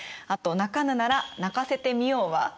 あと「鳴かぬなら鳴かせてみよう」は。